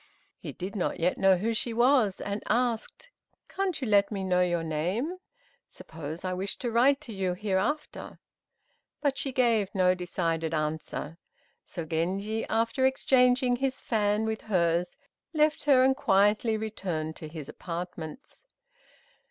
He did not yet know who she was, and asked, "Can't you let me know your name? Suppose I wish to write to you hereafter?" But she gave no decided answer; so Genji, after exchanging his fan with hers, left her and quietly returned to his apartments.